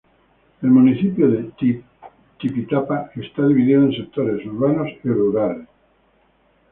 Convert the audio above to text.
El municipio de Tipitapa está dividido en sectores urbanos y rurales.